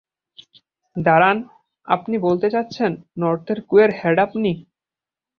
দাঁড়ান, আপনি বলতে চাচ্ছেন, নর্থের ক্যুয়ের হেড আপনি?